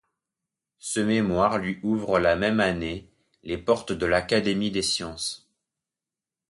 Ce mémoire lui ouvre la même année les portes de l'Académie des sciences.